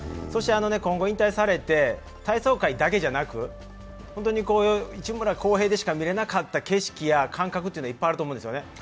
そして今後引退されて体操界だけじゃなく、本当に内村航平でしか見れなかった景色や感覚がいっぱいあると思うんですよね。